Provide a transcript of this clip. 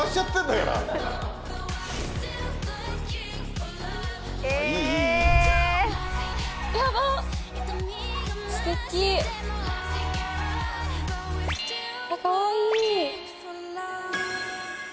かわいい。